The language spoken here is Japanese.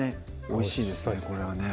おいしいですね